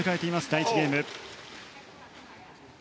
第１ゲーム。